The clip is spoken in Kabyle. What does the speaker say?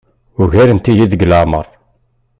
Ugarent-iyi deg leɛmeṛ.